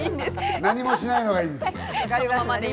何もしないのがいいです。